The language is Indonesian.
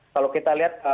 kalau kita lihat